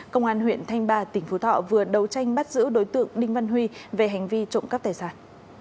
công an huyện thanh ba tỉnh phú thọ vừa đấu tranh bắt giữ đối tượng đinh văn huy về hành vi trộm cắp tài sản